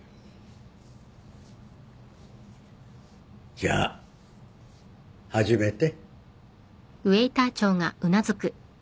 じゃあ始めて。